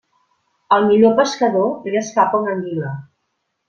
Al millor pescador, li escapa una anguila.